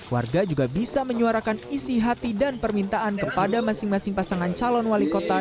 warga juga bisa menyuarakan isi hati dan permintaan kepada masing masing pasangan calon wali kota